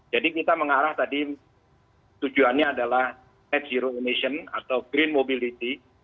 jadi kita mengarah tadi tujuannya adalah net zero emission atau green mobility